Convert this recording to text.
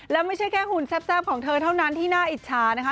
แล้วไม่ใช่แค่หุ่นแซ่บของเธอเท่านั้นที่น่าอิจฉานะคะ